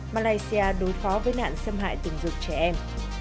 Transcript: malaysia đối phó với nạn xâm hại từng ruột trẻ em